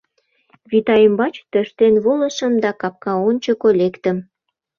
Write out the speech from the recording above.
Вӱта ӱмбач тӧрштен волышым да капка ончыко лектым.